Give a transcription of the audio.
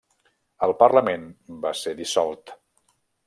El parlament va ser dissolt.